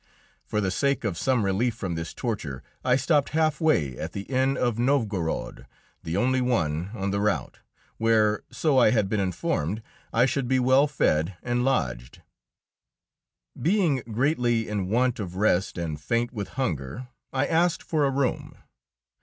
For the sake of some relief from this torture, I stopped half way at the inn of Novgorod, the only one on the route, where so I had been informed I should be well fed and lodged. Being greatly in want of rest, and faint with hunger, I asked for a room.